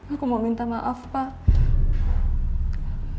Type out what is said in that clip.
aku mau minta maaf pak